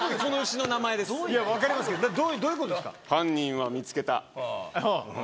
分かりますけどどういうことですか？